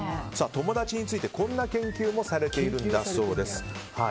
友達についてこんな研究もされているんだそうです。